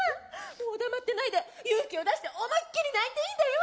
もう黙ってないで勇気を出して思いっきり鳴いていいんだよ！